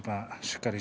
しっかり